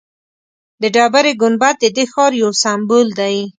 د ډبرې ګنبد ددې ښار یو سمبول دی.